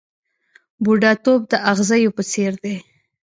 بوډاتوب د اغزیو په څېر دی .